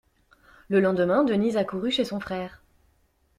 Le lendemain, Denise accourut chez son frère.